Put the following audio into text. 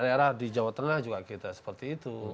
daerah di jawa tengah juga kita seperti itu